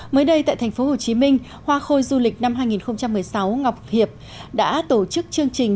mới đây tại tp hcm hoa khôi du lịch năm hai nghìn một mươi sáu ngọc hiệp đã tổ chức chương trình